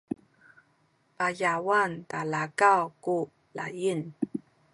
payawan talakaw ku laying